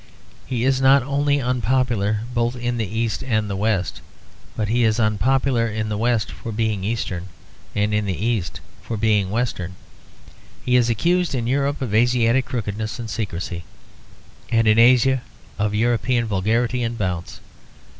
He is not only unpopular both in the East and West, but he is unpopular in the West for being Eastern and in the East for being Western. He is accused in Europe of Asiatic crookedness and secrecy, and in Asia of European vulgarity and bounce.